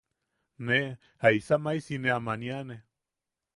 ¿Ne... jaisa maisi ne am aniane?